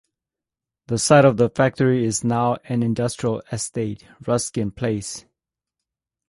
The site of the factory is now an industrial estate, "Ruskin Place".